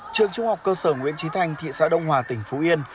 trường trung học cơ sở nguyễn trí thanh thị xã đông hòa tỉnh phú yên